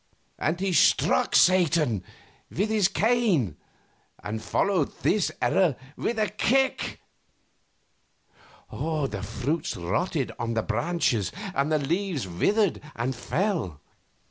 and he struck Satan with his cane and followed this error with a kick. The fruits rotted on the branches, and the leaves withered and fell.